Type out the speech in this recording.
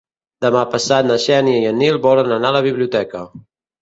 Demà passat na Xènia i en Nil volen anar a la biblioteca.